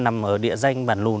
nằm ở địa dạng